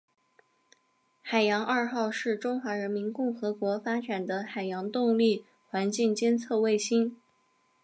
海洋二号是中华人民共和国发展的海洋动力环境监测卫星。